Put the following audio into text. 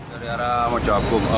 dari arah mojokerto